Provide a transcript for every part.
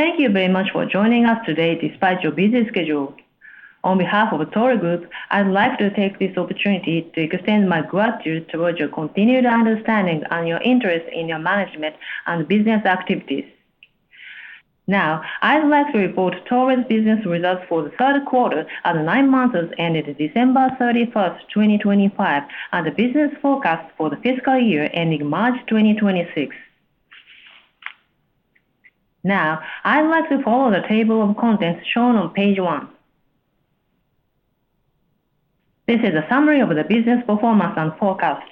Thank you very much for joining us today despite your busy schedule. On behalf of Toray Group, I'd like to take this opportunity to extend my gratitude towards your continued understanding and your interest in our management and business activities. Now, I'd like to report Toray's business results for the third quarter and the nine months ended December 31st, 2025, and the business forecast for the fiscal year ending March 2026. Now, I'd like to follow the table of contents shown on page one. This is a summary of the business performance and forecast.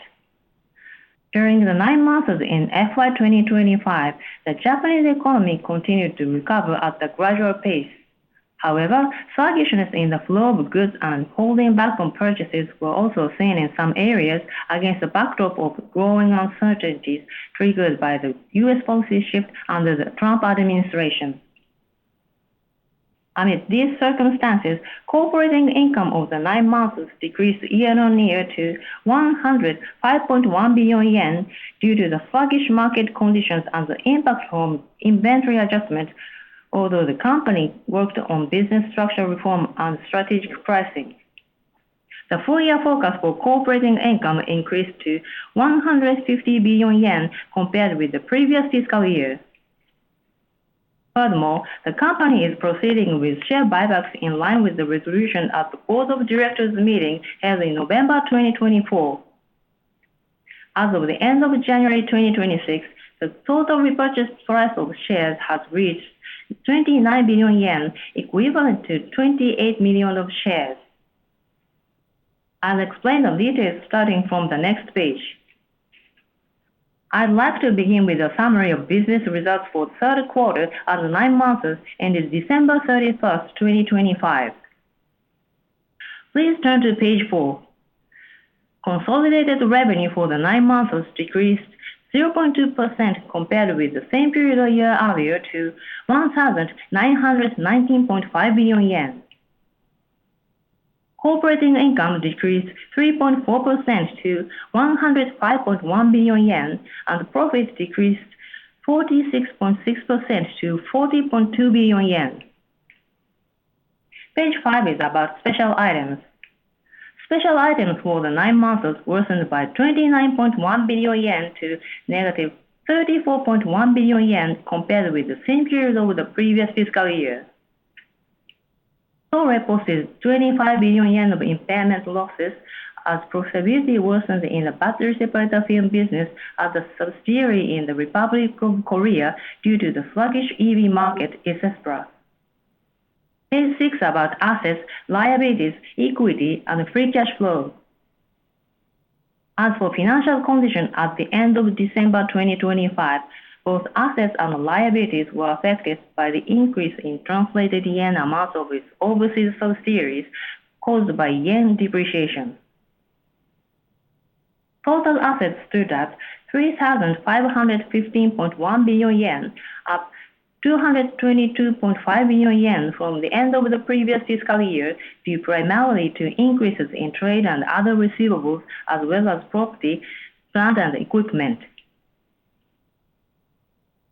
During the nine months in FY 2025, the Japanese economy continued to recover at a gradual pace. However, sluggishness in the flow of goods and holding back on purchases were also seen in some areas against the backdrop of growing uncertainties triggered by the U.S. policy shift under the Trump administration. Amid these circumstances, operating income over the nine months decreased year-on-year to 105.1 billion yen due to the sluggish market conditions and the impact from inventory adjustments, although the company worked on business structure reform and strategic pricing. The full year forecast for operating income increased to 150 billion yen compared with the previous fiscal year. Furthermore, the company is proceeding with share buybacks in line with the resolution at the Board of Directors meeting held in November 2024. As of the end of January 2026, the total repurchased price of shares has reached 29 billion yen, equivalent to 28 million shares. I'll explain the details starting from the next page. I'd like to begin with a summary of business results for the third quarter and the nine months ended December 31st, 2025. Please turn to page four. Consolidated revenue for the nine months decreased 0.2% compared with the same period a year earlier to 1,919.5 billion yen. Operating income decreased 3.4% to 105.1 billion yen, and profit decreased 46.6% to 40.2 billion yen. Page five is about special items. Special items for the nine months worsened by 29.1 billion yen to negative 34.1 billion yen, compared with the same period of the previous fiscal year. Toray posted 25 billion yen of impairment losses as profitability worsened in the battery separator film business at the subsidiary in the Republic of Korea due to the sluggish EV market, et cetera. Page six about assets, liabilities, equity, and free cash flow. As for financial condition at the end of December 2025, both assets and liabilities were affected by the increase in translated yen amounts of its overseas subsidiaries caused by yen depreciation. Total assets stood at 3,515.1 billion yen, up 222.5 billion yen from the end of the previous fiscal year, due primarily to increases in trade and other receivables, as well as property, plant and equipment.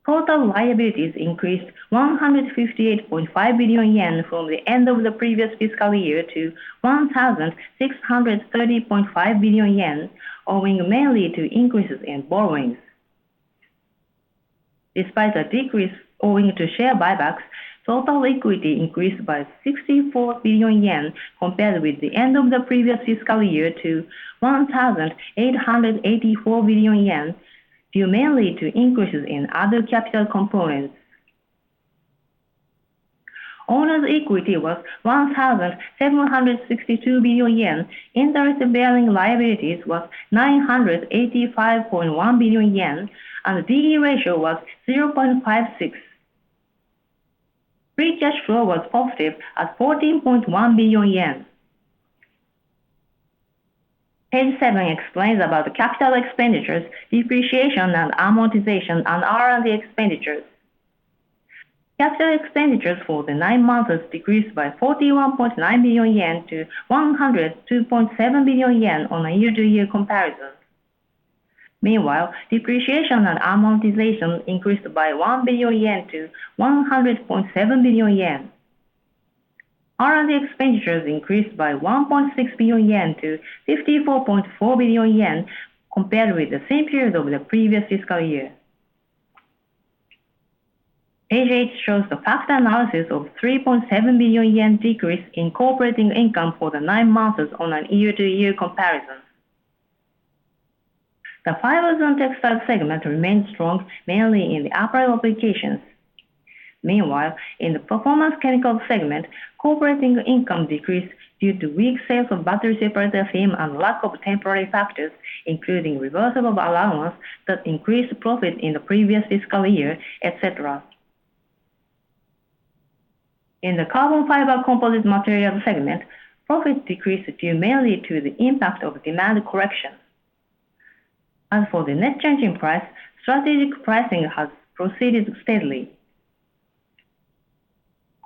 Total liabilities increased 158.5 billion yen from the end of the previous fiscal year to 1,630.5 billion yen, owing mainly to increases in borrowings. Despite a decrease owing to share buybacks, total equity increased by 64 billion yen compared with the end of the previous fiscal year to 1,884 billion yen, due mainly to increases in other capital components. Owners' equity was 1,762 billion yen, interest-bearing liabilities was 985.1 billion yen, and the D/E ratio was 0.56. Free cash flow was positive at 14.1 billion yen. Page seven explains about the capital expenditures, depreciation and amortization, and R&D expenditures. Capital expenditures for the nine months decreased by 41.9 billion yen to 102.7 billion yen on a year-to-year comparison. Meanwhile, depreciation and amortization increased by 1 billion yen to 100.7 billion yen. R&D expenditures increased by 1.6 billion yen to 54.4 billion yen compared with the same period of the previous fiscal year. Page eight shows the factor analysis of 3.7 billion yen decrease in operating income for the nine months on a year-to-year comparison. The fibers and textiles segment remained strong, mainly in the apparel applications. Meanwhile, in the performance chemicals segment, operating income decreased due to weak sales of battery separator film and lack of temporary factors, including reversal allowance, that increased profit in the previous fiscal year, et cetera. In the carbon fiber composite materials segment, profits decreased due mainly to the impact of demand correction. As for the net change in price, strategic pricing has proceeded steadily....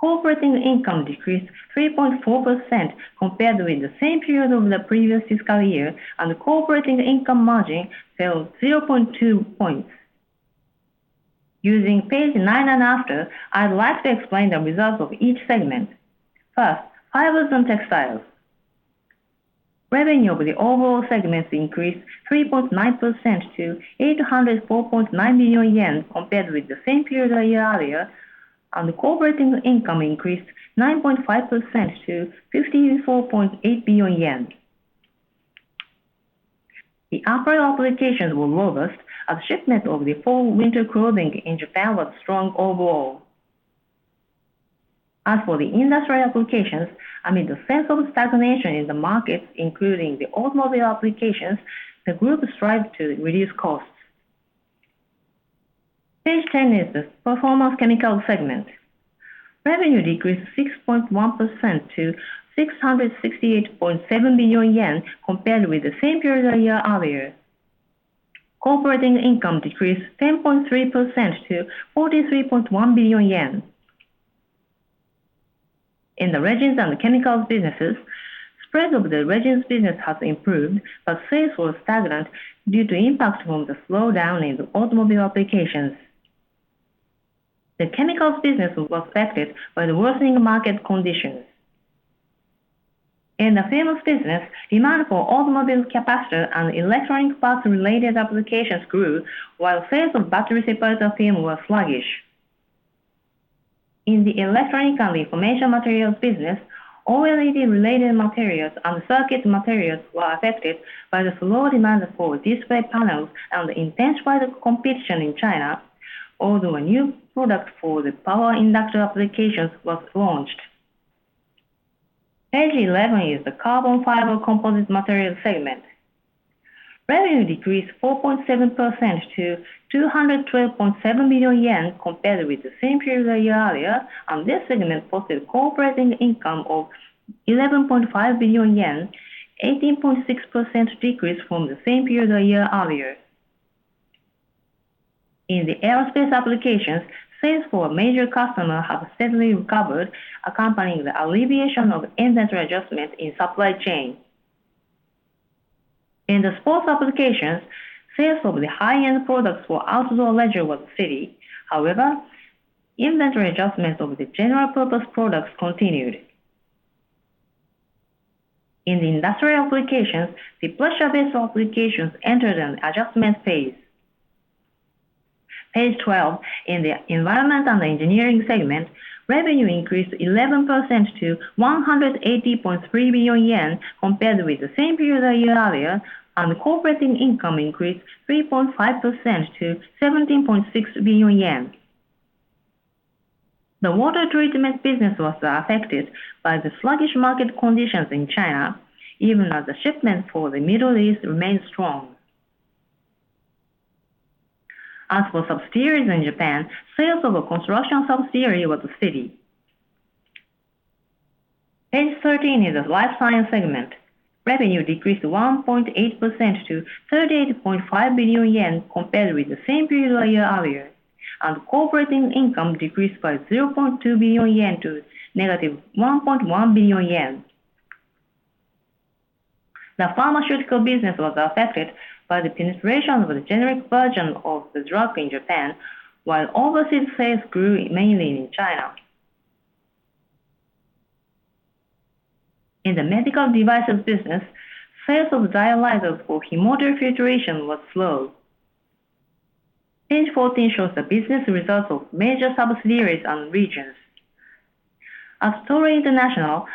Operating income decreased 3.4% compared with the same period of the previous fiscal year, and operating income margin fell 0.2 points. Using page nine and after, I'd like to explain the results of each segment. First, fibers and textiles. Revenue of the overall segments increased 3.9% to 804.9 billion yen compared with the same period a year earlier, and operating income increased 9.5% to JPY 54.8 billion. The apparel applications were robust, as shipment of the fall/winter clothing in Japan was strong overall. As for the industrial applications, amid the sense of stagnation in the markets, including the automobile applications, the group strives to reduce costs. Page ten is the performance chemical segment. Revenue decreased 6.1% to 668.7 billion yen, compared with the same period a year earlier. Operating income decreased 10.3% to 43.1 billion yen. In the resins and chemicals businesses, spread of the resins business has improved, but sales were stagnant due to impact from the slowdown in the automobile applications. The chemicals business was affected by the worsening market conditions. In the films business, demand for automobile capacitor and electronic parts-related applications grew, while sales of battery separator film were sluggish. In the electronic and information materials business, OLED-related materials and circuit materials were affected by the slow demand for display panels and the intensified competition in China, although a new product for the power inductor applications was launched. Page 11 is the carbon fiber composite material segment. Revenue decreased 4.7% to 212.7 billion yen compared with the same period a year earlier, and this segment posted operating income of 11.5 billion yen, 18.6% decrease from the same period a year earlier. In the aerospace applications, sales for a major customer have steadily recovered, accompanying the alleviation of inventory adjustments in supply chain. In the sports applications, sales of the high-end products for outdoor leisure was steady. However, inventory adjustments of the general purpose products continued. In the industrial applications, the pressure vessel applications entered an adjustment phase. Page 12, in the environment and engineering segment, revenue increased 11% to 180.3 billion yen compared with the same period a year earlier, and operating income increased 3.5% to 17.6 billion yen. The water treatment business was affected by the sluggish market conditions in China, even as the shipments for the Middle East remained strong. As for subsidiaries in Japan, sales of a construction subsidiary was steady. Page 13 is the life science segment. Revenue decreased 1.8% to 38.5 billion yen compared with the same period a year earlier, and operating income decreased by 0.2 billion yen to -1.1 billion yen. The pharmaceutical business was affected by the penetration of the generic version of the drug in Japan, while overseas sales grew mainly in China. In the medical devices business, sales of dialyzers for hemodiafiltration was slow. Page 14 shows the business results of major subsidiaries and regions. At Toray International,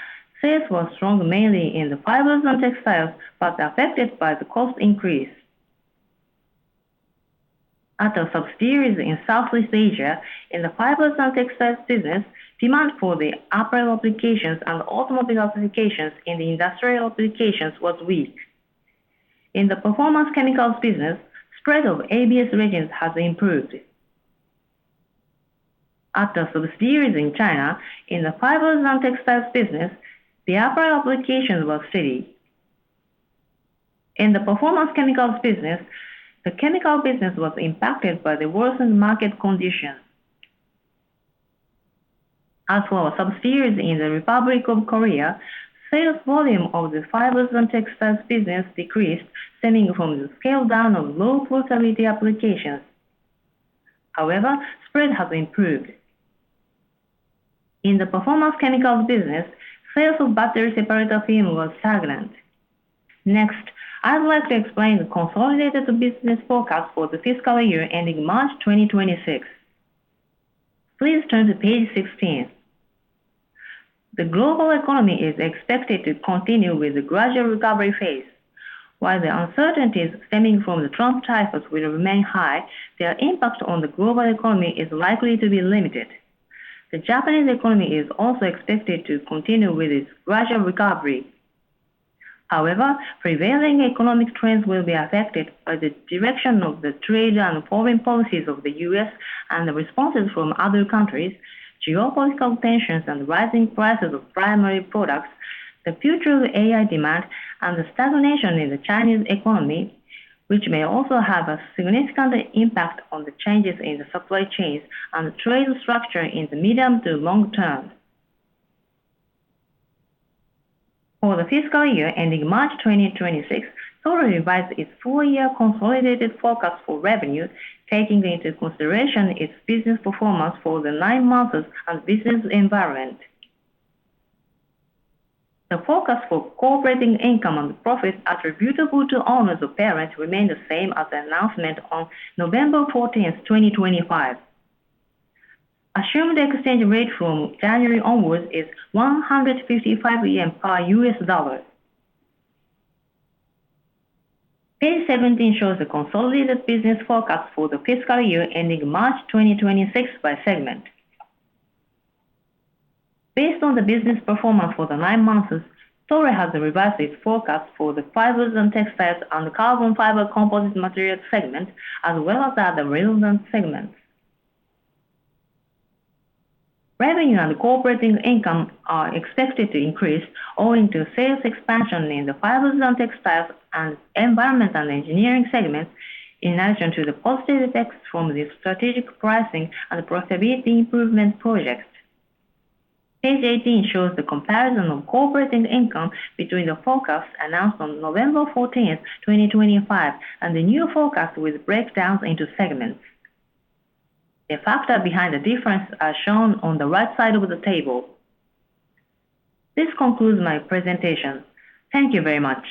sales were strong mainly in the fibers and textiles, but affected by the cost increase. At our subsidiaries in Southeast Asia, in the fibers and textiles business, demand for the apparel applications and automotive applications in the industrial applications was weak. In the performance chemicals business, spread of ABS resins has improved. At our subsidiaries in China, in the fibers and textiles business, the apparel applications were steady. In the performance chemicals business, the chemical business was impacted by the worsened market conditions. As for our subsidiaries in the Republic of Korea, sales volume of the fibers and textiles business decreased, stemming from the scale down of low profitability applications. However, spread has improved. In the performance chemicals business, sales of battery separator film was stagnant. Next, I'd like to explain the consolidated business forecast for the fiscal year ending March 2026. Please turn to page 16. The global economy is expected to continue with the gradual recovery phase. While the uncertainties stemming from the Trump tariffs will remain high, their impact on the global economy is likely to be limited. The Japanese economy is also expected to continue with its gradual recovery. However, prevailing economic trends will be affected by the direction of the trade and foreign policies of the U.S. and the responses from other countries, geopolitical tensions and rising prices of primary products, the future of AI demand, and the stagnation in the Chinese economy, which may also have a significant impact on the changes in the supply chains and trade structure in the medium to long term. For the fiscal year ending March 2026, Toray revised its full-year consolidated forecast for revenue, taking into consideration its business performance for the nine months and business environment. The forecast for operating income and profits attributable to owners of parent remain the same as the announcement on November 14th, 2025. Assumed exchange rate from January onwards is 155 yen per U.S. dollar. Page 17 shows the consolidated business forecast for the fiscal year ending March 2026 by segment. Based on the business performance for the nine months, Toray has revised its forecast for the fibers and textiles and carbon fiber composite materials segment, as well as other relevant segments. Revenue and operating income are expected to increase, owing to sales expansion in the fibers and textiles and environment and engineering segments, in addition to the positive effects from the strategic pricing and profitability improvement projects. Page 18 shows the comparison of operating income between the forecast announced on November 14th, 2025, and the new forecast with breakdowns into segments. The factors behind the difference are shown on the right side of the table. This concludes my presentation. Thank you very much.